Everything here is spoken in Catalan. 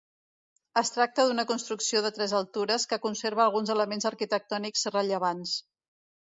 Es tracta d'una construcció de tres altures, que conserva alguns elements arquitectònics rellevants.